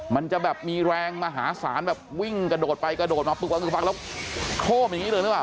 มันจะแบบมีแรงมหาศาลแบบวิ่งกระโดดไปกระโดดมาปึกก็คือฟังแล้วโครมอย่างนี้เลยหรือเปล่า